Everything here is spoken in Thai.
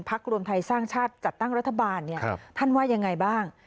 รวมไทยสร้างชาติจัดตั้งรัฐบาลท่านว่ายังไงบ้าง